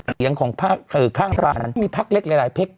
เสียงของภาคภาคภาคนั้นมีภักดิ์เล็กหลายเพ็ก